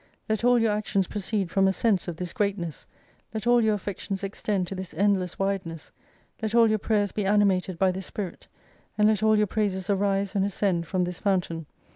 Let all your actions proceed from a sense of this greatness, let all your affections extend to this endless wideness, let all your prayers be animated by this spirit and let all your praises arise and ascend from this fountain.